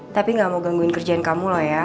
tapi gak mau gangguin kerjain kamu loh ya